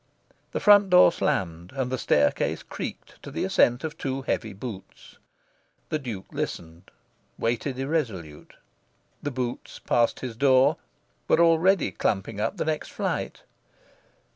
The front door slammed, and the staircase creaked to the ascent of two heavy boots. The Duke listened, waited irresolute. The boots passed his door, were already clumping up the next flight.